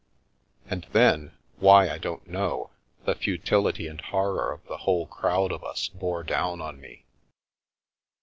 And then, why I don't know, the futility and horror of the whole crowd of us bore down on me.